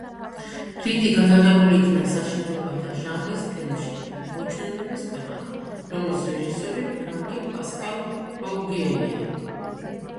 რიდი გადაღებული იქნა საშინელებათა ჟანრის ფილმში „მოჩვენებების ქვეყანა“, რომლის რეჟისორი ფრანგი, პასკალ როუგიელია.